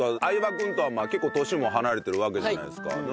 相葉君とは結構年も離れてるわけじゃないですか。